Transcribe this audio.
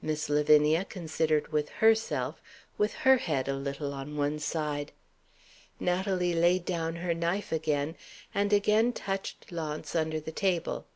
Miss Lavinia considered with herself, with her head a little on one side. Natalie laid down her knife again, and again touched Launce under the table.